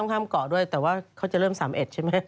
ต้องข้ามก่อด้วยแต่ว่าเขาจะเริ่ม๓๑ใช่ไหม